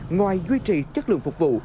ngoài duy trì chất lượng phục vụ